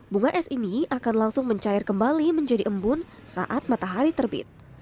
bunga es ini akan langsung mencair kembali menjadi embun saat matahari terbit